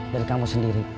dari kamu sendiri